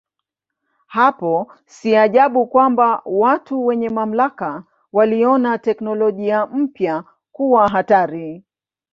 Hapo si ajabu kwamba watu wenye mamlaka waliona teknolojia mpya kuwa hatari.